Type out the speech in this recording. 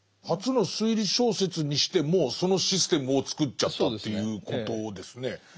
初の推理小説にしてもうそのシステムを作っちゃったということですね。